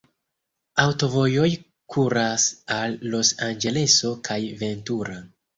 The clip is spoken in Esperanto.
Aŭtovojoj kuras al Los-Anĝeleso kaj Ventura.